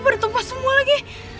baru tumbas semua lagi